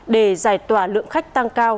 để giải tỏa lượng khách tăng cao